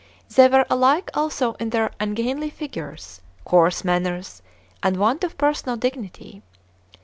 They were alike also in their ungainly figures, coarse manners, and want of personal dignity.